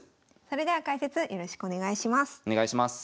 それでは解説よろしくお願いします。